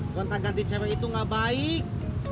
kau gak ganti cewek itu gak baik